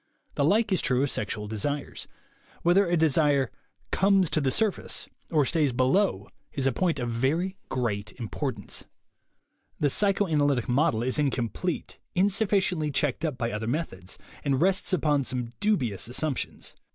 The like is true of sexual desires. Whether a desire "comes to the surface" or stays below is a point of very great importance. The psychoanalytic method is incomplete, insuf ficiently checked up by other methods, and rests upon some dubious assumptions.